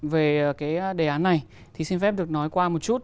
về cái đề án này thì xin phép được nói qua một chút